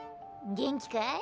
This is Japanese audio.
元気かい？